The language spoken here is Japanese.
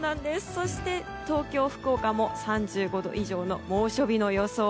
そして、東京、福岡も３５度以上の猛暑日の予想。